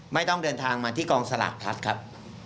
ไม่ต้องเดินทางมาที่กองสลากพลัดครับ